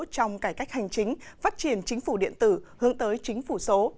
trong cải cách hành chính phát triển chính phủ điện tử hướng tới chính phủ số